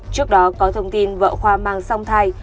trước đó có thông tin vợ khoa mang song thai